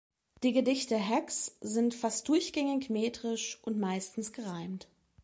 Die Gedichte Hacks’ sind fast durchgängig metrisch und meistens gereimt.